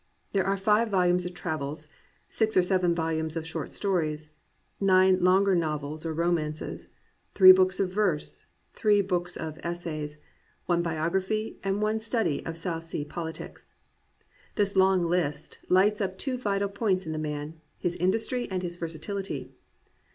There are five volumes of travels; six or seven volumes of short stories; nine longer novels or romances; three books of verse; three books of essays; one biography; and one study of South Sea politics. This long list lights up two vital points in the man: his industry and his versatility.